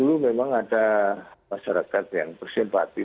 dulu memang ada masyarakat yang bersimpati